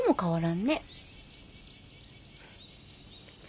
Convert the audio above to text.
ん？